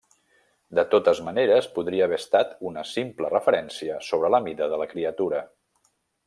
De totes maneres, podria haver estat una simple referència sobre la mida de la criatura.